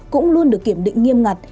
cũng luôn được kiểm định nghiêm ngặt